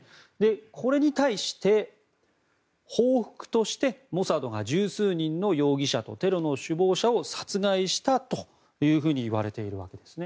これに対して報復としてモサドが１０数人の容疑者とテロの首謀者を殺害したというふうにいわれているわけですね。